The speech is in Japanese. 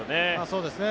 そうですね。